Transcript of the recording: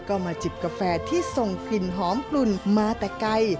ก็มาจิบกาแฟที่ส่งกลิ่นหอมกลุ่นมาแต่ไกล